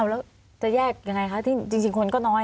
แล้วจะแยกยังไงคะที่จริงคนก็น้อย